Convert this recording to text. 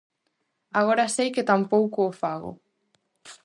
Agora sei que tampouco o fago.